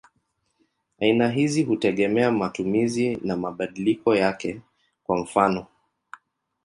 Aina hizi hutegemea matumizi na mabadiliko yake; kwa mfano.